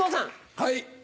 はい。